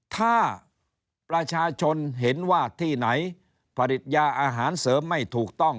ถ้าประชาชนเห็นว่าที่ไหนผลิตยาอาหารเสริมไม่ถูกต้อง